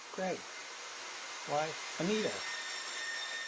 "Gregg! Why, Anita!"